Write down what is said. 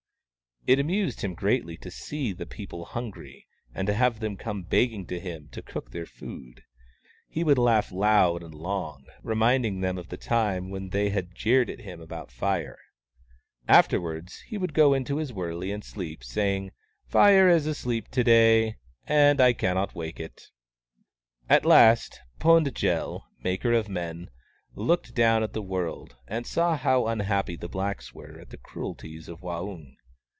It amused him greatly to see the people hungry and to have them come begging to him to cook their food. He would laugh loud and long, remind ing them of the time when they had jeered at him about Fire. Afterwards, he would go into his wur ley and sleep, saying, " Fire is asleep to day, and I cannot wake it." 62 WAUNG, THE CROW At last, Pund jel, Maker of Men, looked down at the world and saw how unhappy the blacks were under the cruelties of Waung.